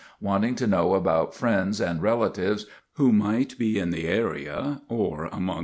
wanting to know about friends and relatives who might be in the area or among the victims.